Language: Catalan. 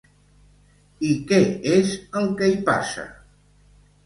I què és el que hi passa?